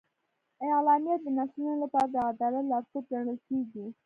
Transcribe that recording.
اعلامیه د نسلونو لپاره د عدالت لارښود ګڼل کېږي.